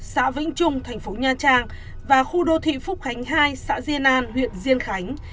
xã vĩnh trung thành phố nha trang và khu đô thị phúc khánh hai xã diên an huyện diên khánh